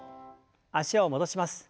脚を戻します。